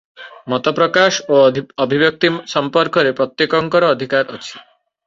ମତ ପ୍ରକାଶ ଓ ଅଭିବ୍ୟକ୍ତି ସମ୍ପର୍କରେ ପ୍ରତ୍ୟେକଙ୍କର ଅଧିକାର ଅଛି ।